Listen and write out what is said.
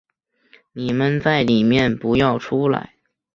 你们在里面不要出来